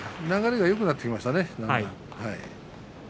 流れがよくなっていますね。